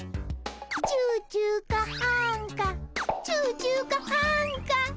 チューチューかあんかチューチューかあんか。